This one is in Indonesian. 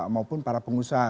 maupun para pengusaha